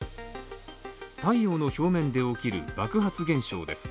太陽の表面で起きる爆発現象です。